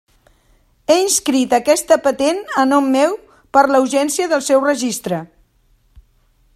He inscrit aquesta patent a nom meu per la urgència del seu registre.